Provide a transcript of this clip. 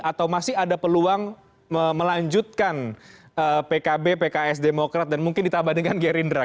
atau masih ada peluang melanjutkan pkb pks demokrat dan mungkin ditambah dengan gerindra